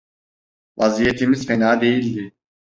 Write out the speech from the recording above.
Vaziyetimiz fena değildi.